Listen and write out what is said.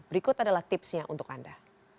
berikut adalah tipsnya untuk anda